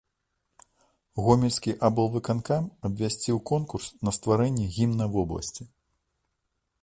Гомельскі аблвыканкам абвясціў конкурс на стварэнне гімна вобласці.